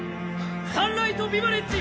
サンライトビバレッジ。